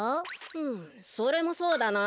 うむそれもそうだな。